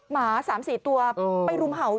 หมา๓๔ตัวไปรุมเห่า